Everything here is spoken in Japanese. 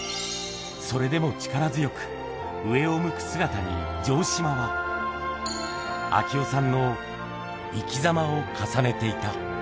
それでも力強く、上を向く姿に城島は、明雄さんの生き様を重ねていた。